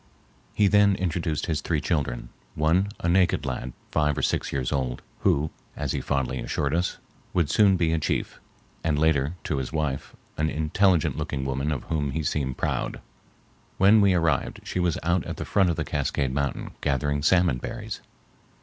He then introduced his three children, one a naked lad five or six years old who, as he fondly assured us, would soon be a chief, and later to his wife, an intelligent looking woman of whom he seemed proud. When we arrived she was out at the foot of the cascade mountain gathering salmon berries.